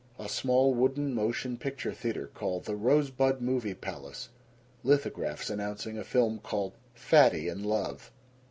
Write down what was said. A small wooden motion picture theater called "The Rosebud Movie Palace." Lithographs announcing a film called "Fatty in Love."